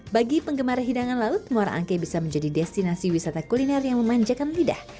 bagi penggemar hidangan laut muara angke bisa menjadi destinasi wisata kuliner yang memanjakan lidah